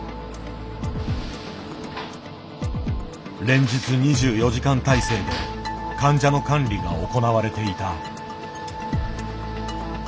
連日２４時間体制で患者の管理が行われていた。